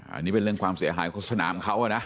อันนี้เป็นเรื่องความเสียหายของสนามเขานะ